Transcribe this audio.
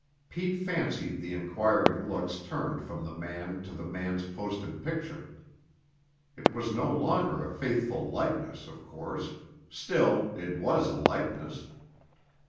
Pete fancied the inquiring looks turned from the man to the man's posted picture. It was no longer a faithful likeness, of course; still, it was a likeness.